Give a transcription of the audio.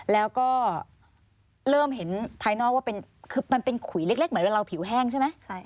แล้วก็เริ่มเห็นภายนอกว่าคือมันเป็นขุยเล็กเหมือนเวลาเราผิวแห้งใช่ไหม